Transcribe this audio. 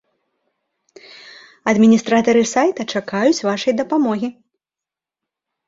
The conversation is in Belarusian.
Адміністратары сайта чакаюць вашай дапамогі!